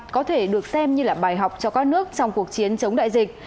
có thể được xem như là bài học cho các nước trong cuộc chiến chống đại dịch